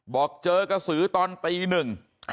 บอกเจอกระสือตอนตีหนึ่ง